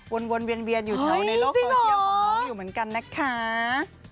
วนเบียนอยู่แถวในโลกโตเชียมของน้องอยู่เหมือนกันนะคะเฮ้ยจริงเหรอ